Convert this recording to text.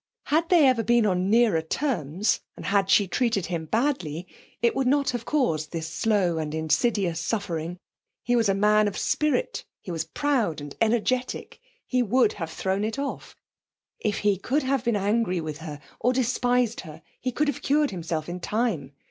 Had they ever been on nearer terms, and had she treated him badly, it would not have caused this slow and insidious suffering. He was a man of spirit; he was proud and energetic; he would have thrown it off. If he could have been angry with her, or despised her, he could have cured himself in time.